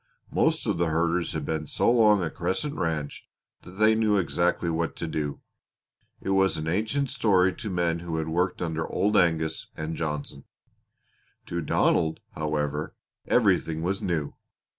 Most of the herders had been so long at Crescent Ranch that they knew exactly what to do. It was an ancient story to men who had worked under Old Angus and Johnson. To Donald, however, everything was new.